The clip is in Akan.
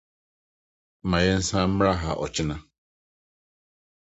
Ma yɛnsan mmra ha ɔkyena.